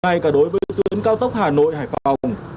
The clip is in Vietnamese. ngay cả đối với tuyến cao tốc hà nội hải phòng